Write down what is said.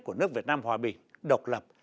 của nước việt nam hòa bình độc lập